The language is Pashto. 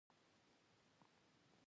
روهیله پښتنو شجاع الدوله ته ویلي.